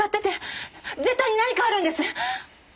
絶対に何かあるんです！